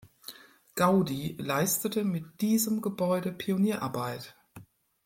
Gaudí leistete mit diesem Gebäude Pionierarbeit.